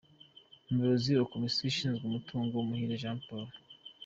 Umuyobozi wa Komisiyo ishinzwe Umutungo: Muhire Jean Paul.